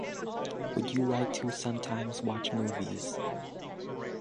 Would you like to sometimes watch movies?